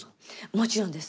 もちろんです。